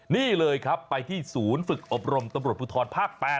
นี่เลยครับไปที่ศูนย์ฝึกอบรมตำรวจภูทรภาค๘